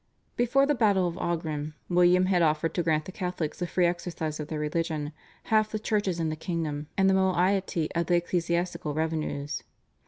Before the battle of Aughrim William had offered to grant the Catholics the free exercise of their religion, half the churches in the kingdom, and the moiety of the ecclesiastical revenues.